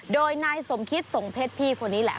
โดยนายสมคิตสงเพชรพี่คนนี้แหละ